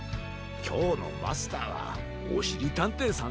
きょうのマスターはおしりたんていさんですから。